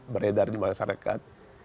beredar di masyarakat